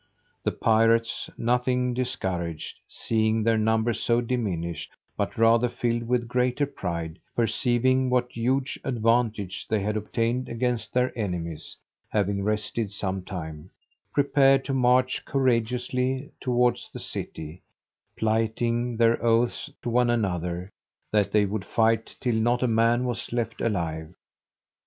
The pirates, nothing discouraged, seeing their number so diminished, but rather filled with greater pride, perceiving what huge advantage they had obtained against their enemies, having rested some time, prepared to march courageously towards the city, plighting their oaths to one another, that they would fight till not a man was left alive.